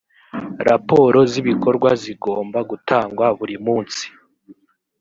raporo z ‘ibikorwa zigomba gutangwa buri munsi.